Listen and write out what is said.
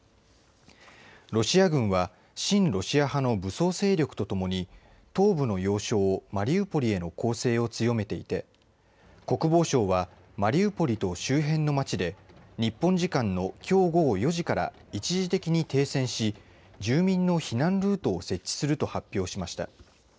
ロシア軍は親ロシア派の武装勢力とともに東部の要衝、マリウポリへの攻勢を強めていて国防相はマリウポリと周辺の町で日本時間のきょう午後４時から一時的に停戦し住民の避難ルートを設置すると発表しました。